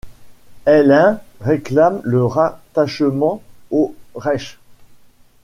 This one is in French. Heinlein réclame le rattachement au Reich.